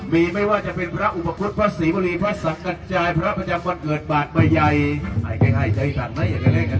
มีไม่ว่าจะเป็นพระอุปกฤษพระศรีโมลีพระศังติจายพระประจำแต่เบิดบาดระยัย